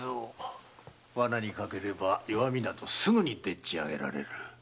罠にかければ弱みなどすぐにでっちあげられる。